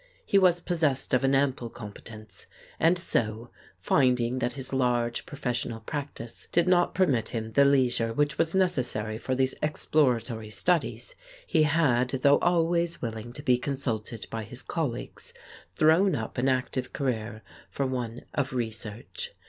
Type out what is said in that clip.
He was possessed of an ample competence, and so, finding that his large professional practice did not permit him the leisure which was necessary for these exploratory studies, he had, though always willing to be consulted by his colleagues, thrown up an active career for one of research.